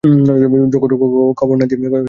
খবর না দিয়েই– অক্ষয়।